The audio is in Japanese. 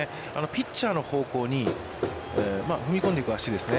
ピッチャーの方向に踏み込んでいく足ですね。